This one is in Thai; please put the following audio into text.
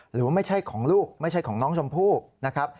หรือว่าไม่ใช่ของลูกไม่ใช่ของน้องชมพู่นะครับ